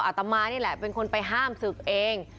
อาตมานี่แหละเป็นคนไปห้ามศึกเอง